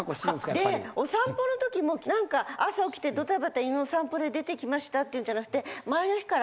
でお散歩のときもなんか朝起きてドタバタ犬の散歩で出てきましたっていうんじゃなくて。